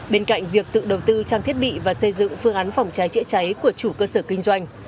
bên cạnh việc tự đầu tư trang thiết bị và xây dựng phương án phòng cháy chữa cháy của chủ cơ sở kinh doanh